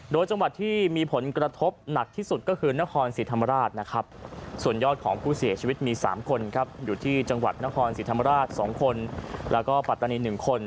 โดยจังหวัดที่มีผลกระทบหนักที่สุดก็คือนครศรีธรรมราชนะครับส่วนยอดของผู้เสียชีวิตมี๓คนครับอยู่ที่จังหวัดนครศรีธรรมราช๒คนแล้วก็ปัตตานี๑คน